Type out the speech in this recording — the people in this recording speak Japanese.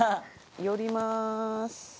寄ります。